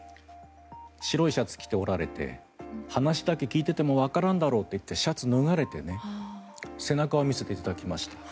白いシャツを着ておられて話だけ聞いてても分からんだろうと言ってシャツを脱がれてね背中を見せていただきました。